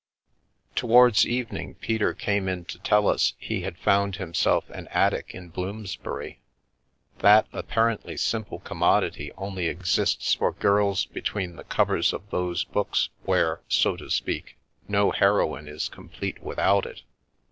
Towards evening Peter came in to tell us he had found himself an attic in Bloomsbury. That apparently simple commodity only exists for girls between the cov ers of those books where, so to speak, no heroine is complete without it.